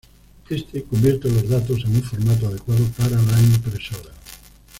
Éste convierte los datos a un formato adecuado para la impresora.